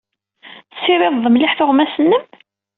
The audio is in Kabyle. Tessirided mliḥ tuɣmas-nnem?